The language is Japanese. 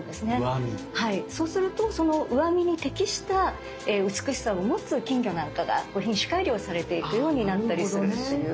そうするとその上見に適した美しさを持つ金魚なんかが品種改良されていくようになったりするっていう。